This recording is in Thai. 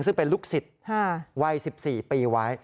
ซึ่งเป็นลูกศิษย์วัย๑๔ปีไว้